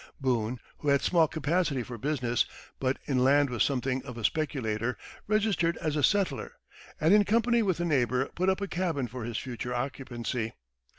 Boone, who had small capacity for business, but in land was something of a speculator, registered as a settler, and in company with a neighbor put up a cabin for his future occupancy.